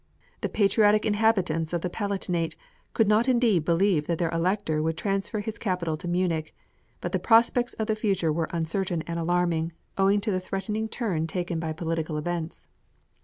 The patriotic inhabitants of the Palatinate could not indeed believe that their Elector would transfer his capital to Munich; but the prospects of the future were uncertain and alarming, owing to the threatening turn taken by political events.